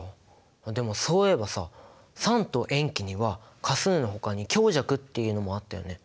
でもそういえばさ酸と塩基には価数のほかに強弱っていうのもあったよね。